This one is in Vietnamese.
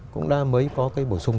cũng đã mới có cái bổ sung